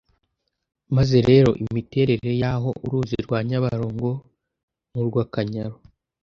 Maze rero imiterere y’aho uruzi rwa Nyabarongo n’urw’Akanyaru